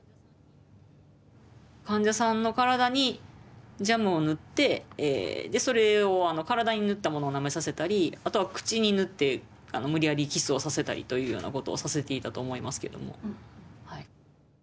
患者さんの体にジャムを塗ってそれを体に塗ったものをなめさせたりあとは口に塗って無理やりキスをさせたりというようなことをさせていたと思いますけども。